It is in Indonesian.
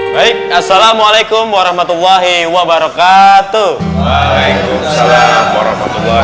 baik assalamualaikum warahmatullahi wabarakatuh